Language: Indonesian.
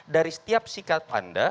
dari setiap sikap anda